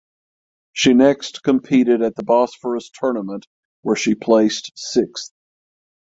She next competed at the Bosphorus Tournament where she placed sixth.